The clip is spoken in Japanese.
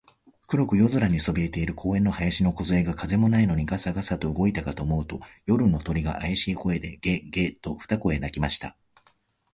黒く夜空にそびえている公園の林のこずえが、風もないのにガサガサと動いたかと思うと、夜の鳥が、あやしい声で、ゲ、ゲ、と二声鳴きました。